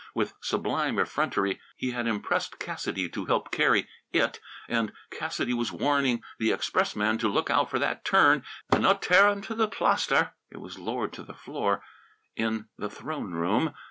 With sublime effrontery he had impressed Cassidy to help carry It, and Cassidy was warning the expressman to look out for that turn an' not tear inta th' plashter. It was lowered to the floor in the throne room.